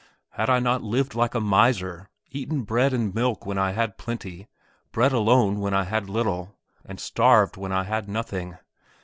Had I not lived like a miser, eaten bread and milk when I had plenty, bread alone when I had little, and starved when I had nothing?